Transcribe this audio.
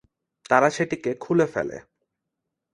তারা সেটিকে খুলে ফেলে।